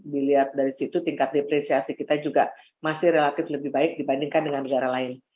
dilihat dari situ tingkat depresiasi kita juga masih relatif lebih baik dibandingkan dengan negara lain